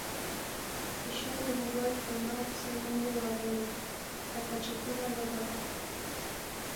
پيشو د موبايل په رڼا پسې منډې وهلې، لکه چې کومه لوبه ده.